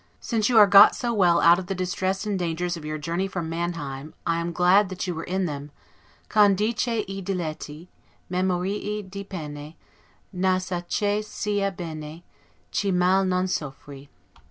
Since you are got so well out of the distress and dangers of your journey from Manheim, I am glad that you were in them: "Condisce i diletti Memorie di pene, Ne sa che sia bene Chi mal non soffri."